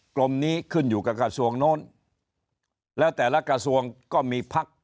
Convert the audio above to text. กรมนี้ขึ้นอยู่กับกระทรวงโน้นแล้วแต่ละกระทรวงก็มีพัก